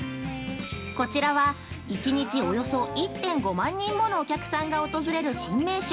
◆こちらは、１日およそ１．５万人ものお客さんが訪れる新名所。